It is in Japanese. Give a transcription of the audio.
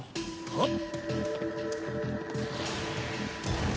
はっ！